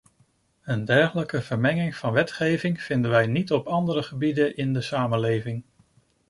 Een dergelijke vermenging van wetgeving vinden wij niet op andere gebieden in de samenleving.